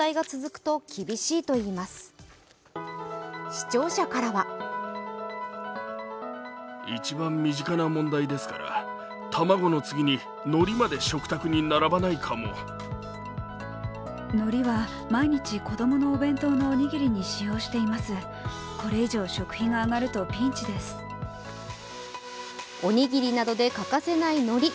視聴者からはおにぎりなどで欠かせない海苔。